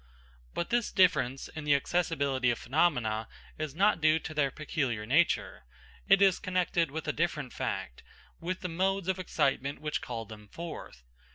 But this difference in the accessibility of phenomena is not due to their peculiar nature. It is connected with a different fact, with the modes of excitement which call them forth.